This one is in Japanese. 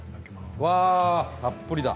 うわあ、たっぷりだ。